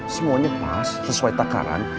semuanya pas sesuai takaran